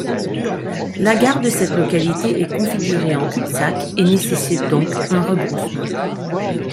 La gare de cette localité est configurée en cul-de-sac et nécessite donc un rebroussement.